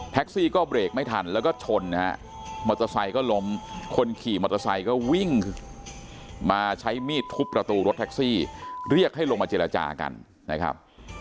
ซี่ก็เบรกไม่ทันแล้วก็ชนนะฮะมอเตอร์ไซค์ก็ล้มคนขี่มอเตอร์ไซค์ก็วิ่งมาใช้มีดทุบประตูรถแท็กซี่เรียกให้ลงมาเจรจากันนะครับ